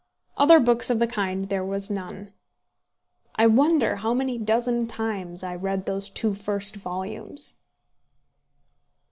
Other books of the kind there was none. I wonder how many dozen times I read those two first volumes.